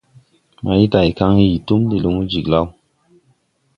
Mayday kan yii túm de lumo jiglaw.